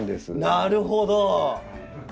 なるほど！